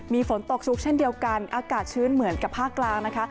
มีฝนตกชุกเช่นเดียวกันอากาศชื้นเหมือนกับภาคกลางนะคะ